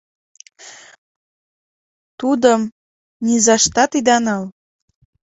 — Тудым низаштат ида нал!